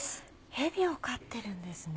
ヘビを飼ってるんですね？